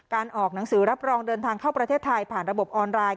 ออกหนังสือรับรองเดินทางเข้าประเทศไทยผ่านระบบออนไลน์